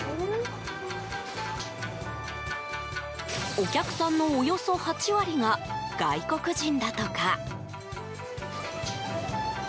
お客さんのおよそ８割が外国人だとか。